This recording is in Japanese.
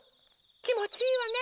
きもちいいわね！